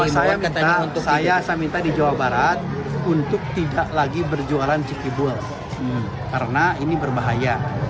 untuk saya saya minta di jawa barat untuk tidak lagi berjualan cikibul karena ini berbahaya